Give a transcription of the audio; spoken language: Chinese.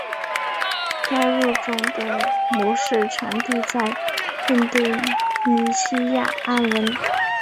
该物种的模式产地在印度尼西亚安汶。